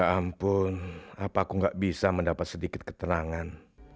apakah aku gak bisa mendapat sedikit ketenangan